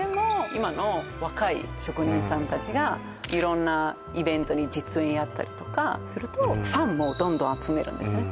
今の若い職人さん達が色んなイベントに実演やったりとかするとファンもどんどん集めるんですね